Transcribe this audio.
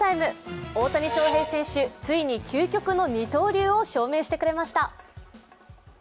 大谷翔平選手、ついに究極の二刀流を証明してくれました。